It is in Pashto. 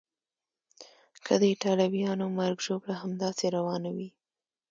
که د ایټالویانو مرګ ژوبله همداسې روانه وي.